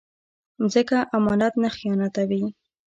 ځمکه امانت نه خیانتوي